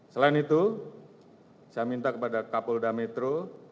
selain itu saya minta kepada kapolda metro